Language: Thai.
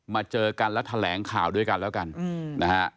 เจอกันแล้วแถลงข่าวด้วยกันแล้วกันนะฮะ